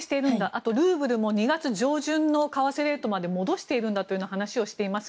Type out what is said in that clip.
あとルーブルも２月上旬の為替レートまで戻しているんだという話をしています。